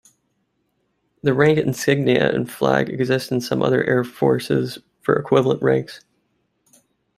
The rank insignia and flag exists in some other air forces for equivalent ranks.